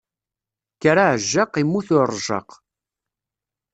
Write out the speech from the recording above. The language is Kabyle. Kker a ɛejjaq, immut urejjaq.